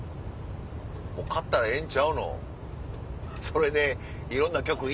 もう買ったらええんちゃうの？